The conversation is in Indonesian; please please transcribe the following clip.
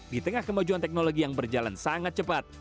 di tengah kemajuan teknologi yang berjalan sangat cepat